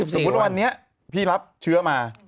สมมุติว่าวันนี้พี่รับเชื้อมา